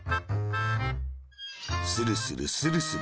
スルスル、スルスル。